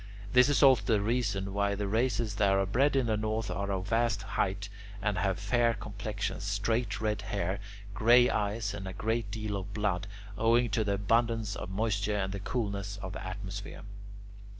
This is also the reason why the races that are bred in the north are of vast height, and have fair complexions, straight red hair, grey eyes, and a great deal of blood, owing to the abundance of moisture and the coolness of the atmosphere.